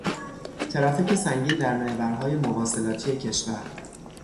ترافیک سنگین در محورهای مواصلاتی کشور